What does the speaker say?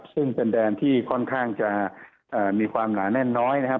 ซึ่งเป็นแดนที่ค่อนข้างจะมีความหนาแน่นน้อยนะครับ